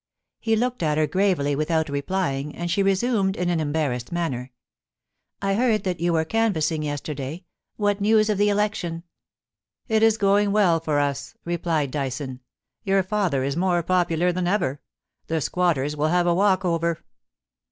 He looked at her gravely without replying, and she re sumed in an embarrassed manner :* I heard that you were canvassing yesterday. WTiat news of the election ?It is going well for us,' replied Dyson. * Your father is more popular than ever. The squatters will have a walk over.'